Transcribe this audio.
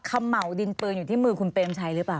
คำเหมาดินเปลืองอยู่ที่มือคุณเปรมชัยหรือเปล่า